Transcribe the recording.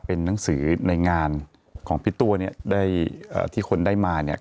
เป็นหนังสือในงานของพี่ตัวเนี่ยได้ที่คนได้มาเนี่ย